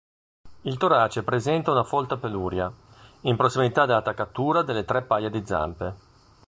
Il torace presenta un folta peluria, in prossimità dell'attaccatura delle tre paia di zampe.